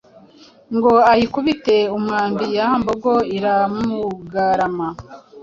ngo ayikubite umwambi ya mbogo irawugarama,